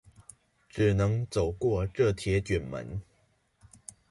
只能走過這鐵捲門